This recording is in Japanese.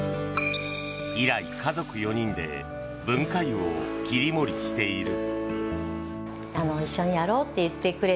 以来、家族４人で文化湯を切り盛りしている。